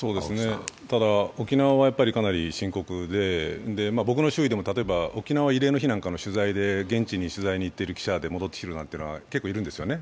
ただ、沖縄はかなり深刻で僕の周囲でも例えば、沖縄慰霊の日なんかの取材で、現地に取材に行っている記者で戻ってきているのが結構、いるんですよね。